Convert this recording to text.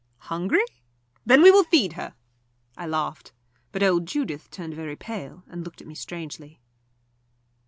"Hungry? Then we will feed her." I laughed. But old Judith turned very pale, and looked at me strangely.